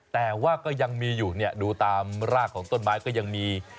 แต่ว่าก็ยังมีอยู่เนี่ยดูตามรากของต้นไม้ก็ยังมี